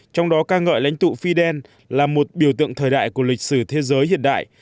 trong đó ca ngợi lãnh tụ fidel là một biểu tượng thời đại của lịch sử thế giới hiện đại